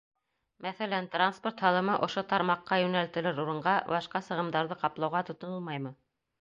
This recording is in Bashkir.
Мәҫәлән, транспорт һалымы ошо тармаҡҡа йүнәлтелер урынға башҡа сығымдарҙы ҡаплауға тотонолмаймы?